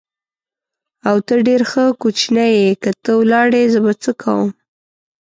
او، ته ډېر ښه کوچنی یې، که ته ولاړې زه به څه کوم؟